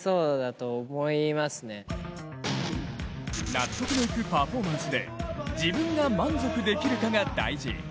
納得のいくパフォーマンスで自分が満足できるかが大事。